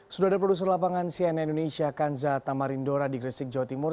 sudah ada produser lapangan cnn indonesia kanza tamarindora di gresik jawa timur